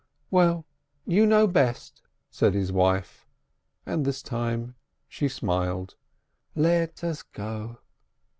"Well, you know best!" said his wife, and this time she smiled. "Let us go